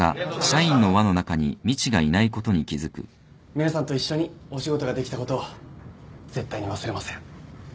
皆さんと一緒にお仕事ができたこと絶対に忘れません。